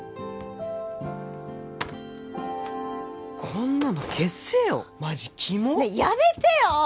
こんなの消せよマジキモッねえやめてよ！